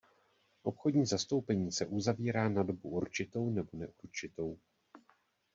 Obchodní zastoupení se uzavírá na dobu určitou nebo neurčitou.